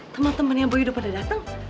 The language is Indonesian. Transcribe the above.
temen temennya boyudup udah datang